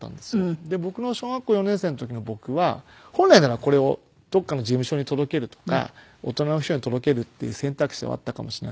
小学校４年生の時の僕は本来ならこれをどこかの事務所に届けるとか大人の人に届けるっていう選択肢はあったかもしれないですけど。